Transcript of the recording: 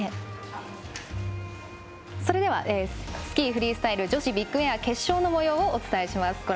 スキー・フリースタイル女子ビッグエア決勝のもようをお伝えします。